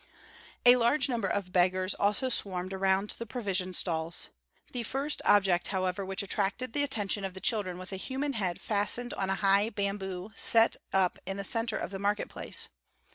A large number of beggars also swarmed around the provision stalls. The first object, however, which attracted the attention of the children was a human head fastened on a high bamboo set up in the center of the market place.